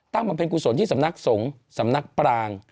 ตั้งมาเป็นกรุศนที่สำนักสงฆ์สำนักปลาง